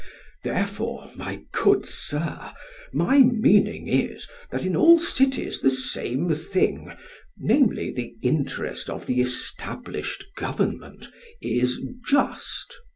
Therefore, my good sir, my meaning is, that in all cities the same thing, namely, the interest of the established government is just.